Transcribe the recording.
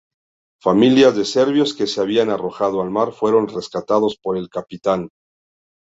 Familias de serbios que se habían arrojado al mar fueron rescatados por el capitán.